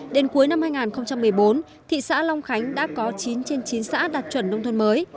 đến cuối năm hai nghìn một mươi bốn thị xã long khánh đã có chín trên chín xã đạt chuẩn nông thôn mới